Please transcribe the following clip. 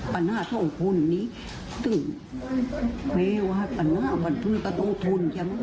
ปัญหาเท่าคุณนี้ซึ่งเมฆว่าปัญหาวันพื้นกระโตทุน